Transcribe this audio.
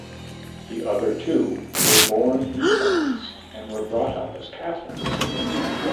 The other two were born in France and were brought up as Catholics.